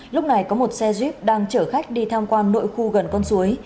lúc này có một xe jeep đang chở khách đi tham quan nội khu gần con suối